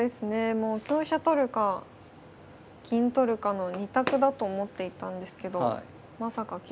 もう香車取るか銀取るかの２択だと思っていたんですけどまさか桂成りもあるとは。